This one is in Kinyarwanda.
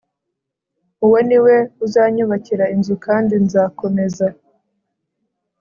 Uwo ni we uzanyubakira inzu kandi nzakomeza